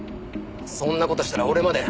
そんな事したら俺まで。